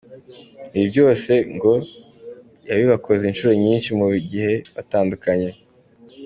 Ibi byose, ngo yabibakoze inshuro nyinshi mu bihe bitandukanye.